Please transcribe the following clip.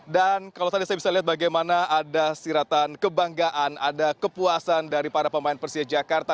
dan kalau tadi saya bisa lihat bagaimana ada siratan kebanggaan ada kepuasan dari para pemain persija jakarta